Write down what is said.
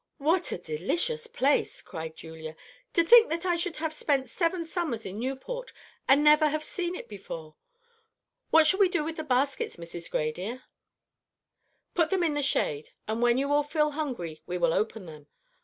"What a delicious place!" cried Julia; "to think that I should have spent seven summers in Newport and never have seen it before! What shall we do with the baskets, Mrs. Gray, dear?" "Put them here in the shade, and when you all feel hungry we will open them."